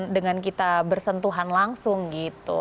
dengan kita bersentuhan langsung gitu